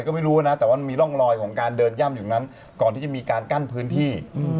ก็ไม่รู้นะแต่ว่ามันมีร่องรอยของการเดินย่ำอยู่นั้นก่อนที่จะมีการกั้นพื้นที่